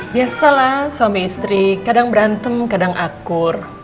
biasalah suami istri kadang berantem kadang akur